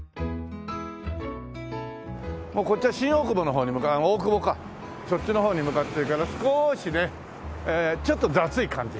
もうこっちは新大久保の方に大久保かそっちの方に向かってるから少しねちょっと雑い感じが。